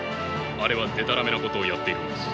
あれはでたらめなことをやっているのです。